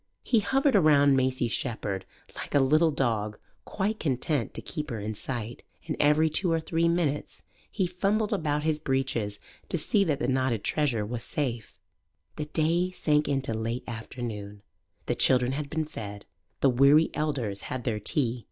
He hovered around Maisie Shepherd like a little dog quite content to keep her in sight. And every two or three minutes he fumbled about his breeches to see that the knotted treasure was safe. The day sank into late afternoon. The children had been fed. The weary elders had their tea.